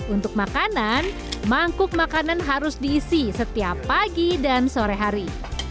untuk makanan mangkuk makanan harus diisi setiap pagi dan sore hari